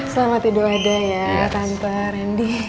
selamat tidur ada ya tante rendy